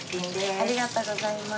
ありがとうございます。